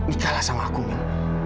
ikahlah sama aku min